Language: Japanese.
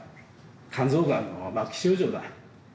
肝臓がんの末期症状だ。